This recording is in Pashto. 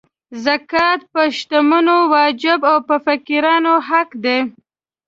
زکات په شتمنو واجب او په فقیرانو حق دی.